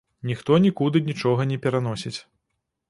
Ніхто нікуды нічога не пераносіць.